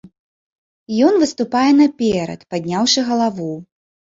Ён выступае наперад, падняўшы галаву.